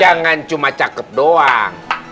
jangan cuma cakep doang